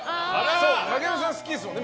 竹山さん、好きですよね。